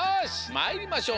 まいりましょう！